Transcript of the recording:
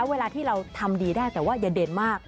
เวลาที่เราทำดีได้แต่ว่าอย่าเด่นมาก